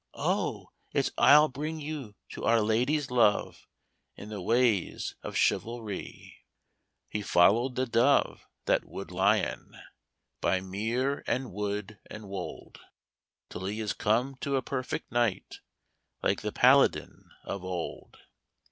'Oh, it's I'll bring you to Our Lady's love, In the ways of chivalrie.' He followed the dove that Wood Lyon By mere and wood and wold, Till he is come to a perfect knight, Like the Paladin of old.